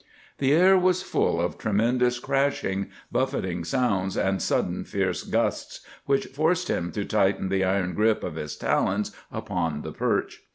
The air was full of tremendous crashing, buffeting sounds and sudden fierce gusts, which forced him to tighten the iron grip of his talons upon the perch.